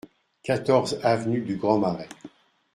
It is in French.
quatorze avenue du Grand Marais